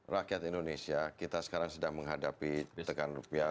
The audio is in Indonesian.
rakyat indonesia kita sekarang sedang menghadapi tekan rupiah